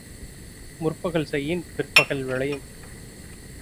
முற்பகல் செய்யின் பிற்பகல் விளையும்.